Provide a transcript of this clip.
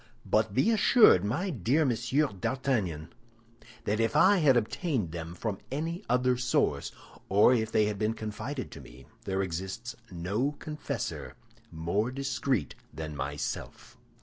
But be assured, my dear Monsieur d'Artagnan, that if I had obtained them from any other source, or if they had been confided to me, there exists no confessor more discreet than myself."